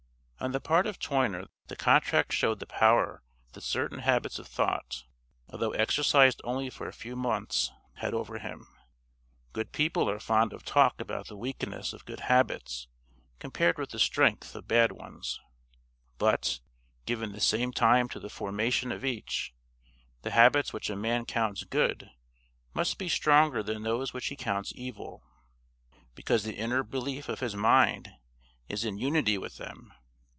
On the part of Toyner the contract showed the power that certain habits of thought, although exercised only for a few months, had over him. Good people are fond of talk about the weakness of good habits compared with the strength of bad ones. But, given the same time to the formation of each, the habits which a man counts good must be stronger than those which he counts evil, because the inner belief of his mind is in unity with them.